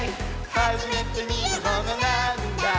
「はじめてみるものなぁーんだ？」